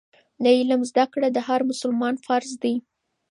د علم زده کړه د هر مسلمان فرض دی.